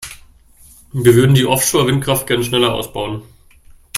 Wir würden die Offshore-Windkraft gerne schneller ausbauen.